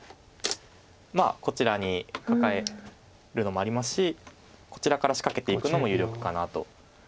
こちらにカカえるのもありますしこちらから仕掛けていくのも有力かなと。